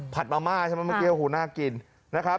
มะม่าใช่ไหมเมื่อกี้โอ้โหน่ากินนะครับ